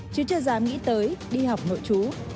chứ chưa dám nghĩ tới đi học nội chú